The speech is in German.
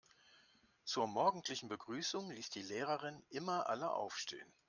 Zur morgendlichen Begrüßung ließ die Lehrerin immer alle aufstehen.